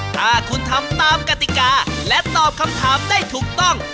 ถ้าคุณทำตามกติกาและตอบคำถามได้ถูกต้อง